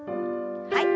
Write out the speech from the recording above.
はい。